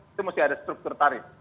itu mesti ada struktur tarif